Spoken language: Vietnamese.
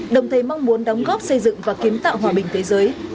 đồng thấy mong muốn đóng góp xây dựng và kiếm tạo hòa bình thế giới